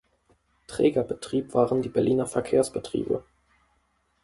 Trägerbetrieb waren die Berliner Verkehrsbetriebe.